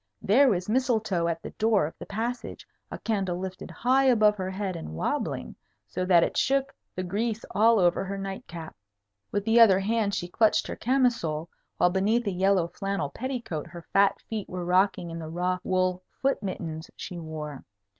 There was Mistletoe at the door of the passage, a candle lifted high above her head and wobbling, so that it shook the grease all over her night cap. With the other hand she clutched her camisole, while beneath a yellow flannel petticoat her fat feet were rocking in the raw wool foot mittens she wore.